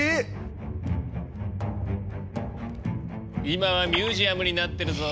今はミュージアムになってるぞ。